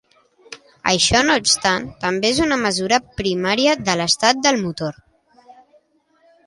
Això no obstant, també és una mesura primària de l'estat del motor.